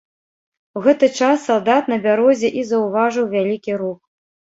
У гэты час салдат на бярозе і заўважыў вялікі рух.